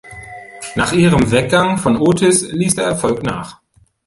Nach ihrem Weggang von Otis ließ der Erfolg nach.